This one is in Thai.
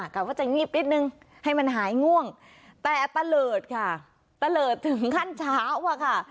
กลับว่าจะงีบนิดนึงให้มันหายง่วงแต่ตะเลิศค่ะตะเลิศถึงขั้นเช้าอะค่ะ